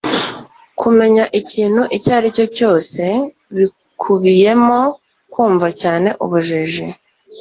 kumenya ikintu icyo ari cyo cyose bikubiyemo kumva cyane ubujiji